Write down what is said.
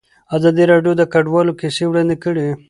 ازادي راډیو د کډوال کیسې وړاندې کړي.